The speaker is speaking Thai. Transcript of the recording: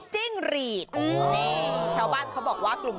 จี้โปมก็คือ